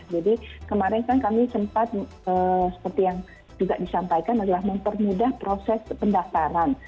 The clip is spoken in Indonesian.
jadi kemarin kan kami sempat seperti yang juga disampaikan adalah mempermudah proses pendaftaran